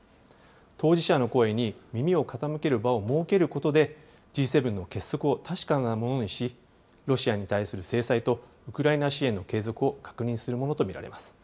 当事者の声に耳を傾ける場を設けることで、Ｇ７の結束を確かなものにし、ロシアに対する制裁と、ウクライナ支援の継続を確認するものと見られます。